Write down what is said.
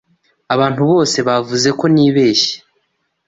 Abantu bose bavuze ko nibeshye.